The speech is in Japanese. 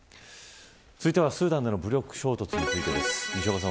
続いては、スーダンでの武力衝突についてです。